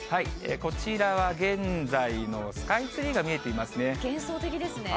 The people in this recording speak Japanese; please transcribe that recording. こちらは現在のスカイツリー幻想的ですね。